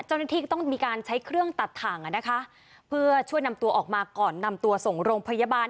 เจ้าหน้าที่ก็ต้องมีการใช้เครื่องตัดถังอ่ะนะคะเพื่อช่วยนำตัวออกมาก่อนนำตัวส่งโรงพยาบาล